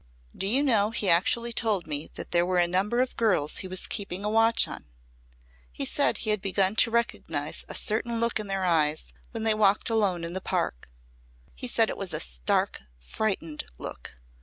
Do you know he actually told me that there were a number of girls he was keeping a watch on. He said he'd begun to recognise a certain look in their eyes when they walked alone in the park. He said it was a 'stark, frightened look.'